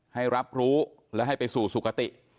ให้รับรู้และให้ไปสู่สุขติ